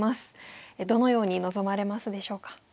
どのように臨まれますでしょうか？